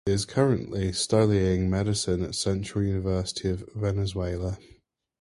She is currently studying medicine at the Central University of Venezuela.